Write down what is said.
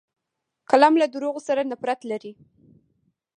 قلم له دروغو سره نفرت لري